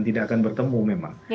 tidak akan bertemu memang